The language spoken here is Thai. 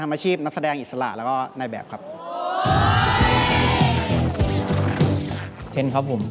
ไม่ใช่ไม่มีครับไม่อยากโชว์ครับ